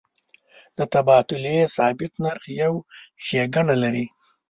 د تبادلې ثابت نرخ یو ښیګڼه لري.